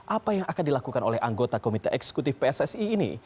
apa yang akan dilakukan oleh anggota komite eksekutif pssi ini